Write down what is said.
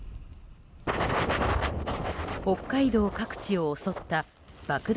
北海道各地を襲った爆弾